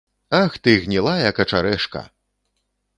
Ах ты, гнілая качарэжка!